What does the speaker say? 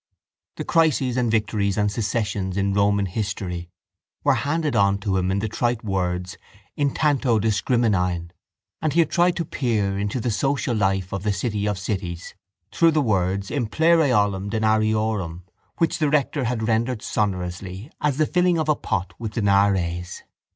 The crises and victories and secessions in Roman history were handed on to him in the trite words in tanto discrimine and he had tried to peer into the social life of the city of cities through the words implere ollam denariorum which the rector had rendered sonorously as the filling of a pot with denaries.